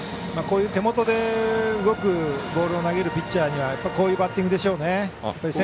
こういう手元で動くボールを投げるピッチャーにはこういうバッティングでしょうね。